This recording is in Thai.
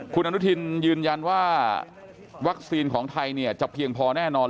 คุณอนุทินยืนยันว่าวัคซีนของไทยจะเพียงพอแน่นอน